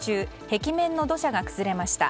壁面の土砂が崩れました。